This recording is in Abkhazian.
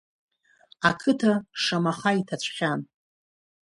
Ақыҭа шамаха иҭацәхьан.